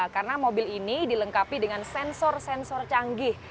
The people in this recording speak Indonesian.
karena mobil ini dilengkapi dengan sensor sensor canggih